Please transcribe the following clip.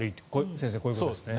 先生、こういうことですね。